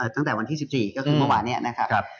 ตั้งแต่วันที่๑๔ก็คือเมื่อวานนี้นะครับ